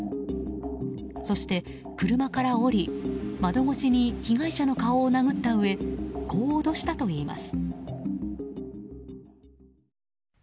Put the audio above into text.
そして車から降り、窓越しに被害者の顔を殴ったうえこう脅したといいます。